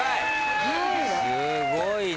すごいね！